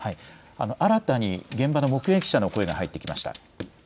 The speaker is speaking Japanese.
新たに現場の目撃者の声が入ってきました。